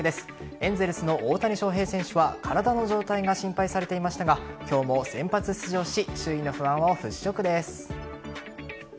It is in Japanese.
エンゼルスの大谷翔平選手は体の状態が心配されていましたが今日も先発出場し周囲の不安を払拭です。